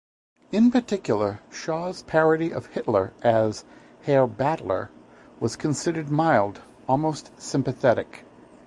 In particular, Shaw's parody of Hitler as "Herr Battler" was considered mild, almost sympathetic.